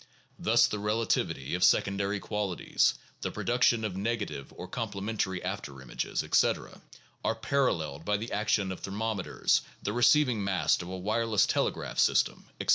Thus the relativity of secondary qualities, the production of negative or complementary after images, etc., are paralleled by the action of thermometers, the receiving mast of a wireless telegraph system, etc.